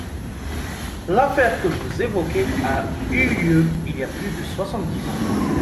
L’affaire que vous évoquez a eu lieu il y a plus de soixante-dix ans.